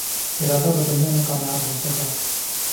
ارادہ بدلنے میں کامیاب ہو سکا